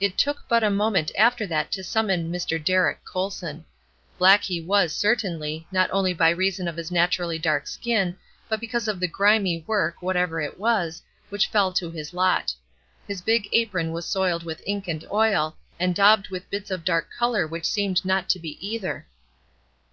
It took but a moment after that to summon "Mr. Derrick Colson." Black he was, certainly, not only by reason of his naturally dark skin, but because of the grimy work, whatever it was, which fell to his lot. His big apron was soiled with ink and oil, and daubed with bits of dark color which seemed not to be either.